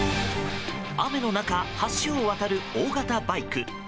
雨の中、橋を渡る大型バイク。